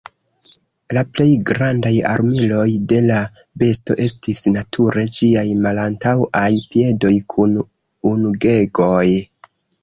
La plej grandaj armiloj de la besto estis nature ĝiaj malantaŭaj piedoj kun ungegoj.